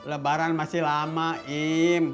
lebaran masih lama im